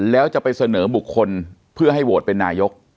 แล้วจะไปเสนอบุคคลเพื่อให้โหวตเป็นนายก